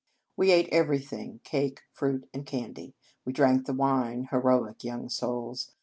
We ate everything, cake, fruit, and candy; we drank the wine (heroic young souls!)